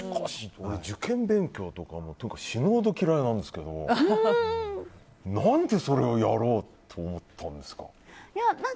俺、受験勉強とかも死ぬほど嫌いなんですけど何で、それをやろうと思ったんですか。